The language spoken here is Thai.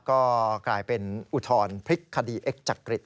ก็กลายเป็นอุทธรณ์พลิกคดีเอ็กจักริต